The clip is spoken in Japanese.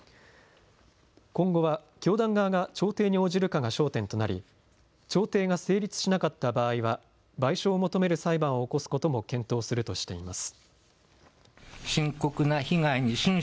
今後は教団側が調停に応じるかが焦点となり調停が成立しなかった場合は賠償を求める裁判を起こすことも検討するとしています。